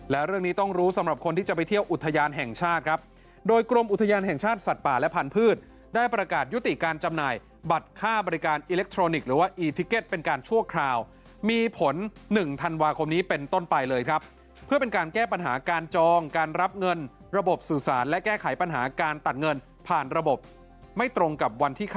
และเรื่องนี้ต้องรู้สำหรับคนที่จะไปเที่ยวอุทยานแห่งชาติครับโดยกรมอุทยานแห่งชาติสัตว์ป่าและพันธุ์ได้ประกาศยุติการจำหน่ายบัตรค่าบริการอิเล็กทรอนิกส์หรือว่าอีทิเก็ตเป็นการชั่วคราวมีผล๑ธันวาคมนี้เป็นต้นไปเลยครับเพื่อเป็นการแก้ปัญหาการจองการรับเงินระบบสื่อสารและแก้ไขปัญหาการตัดเงินผ่านระบบไม่ตรงกับวันที่ค